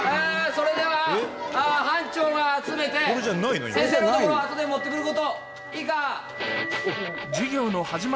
それでは班長が集めて先生のところ後で持ってくることいいか？